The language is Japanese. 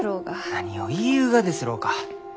何を言いゆうがですろうか。